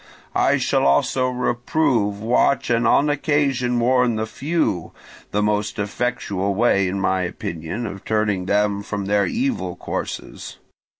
I shall also reprove, watch, and on occasion warn the few—the most effectual way, in my opinion, of turning them from their evil courses.